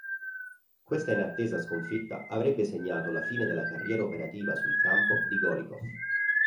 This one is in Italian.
Questa inattesa sconfitta avrebbe segnato la fine della carriera operativa sul campo di Golikov.